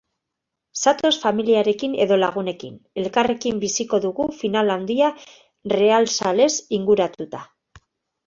Zatoz familiarekin edo lagunekin, elkarrekin biziko dugu final handia realzalez inguratuta.